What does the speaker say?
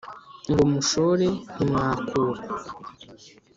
ngo mushore ntimwakura,